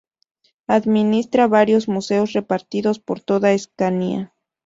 Administra varios museos repartidos por toda Escania.